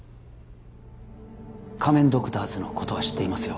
仮面ドクターズのことは知っていますよ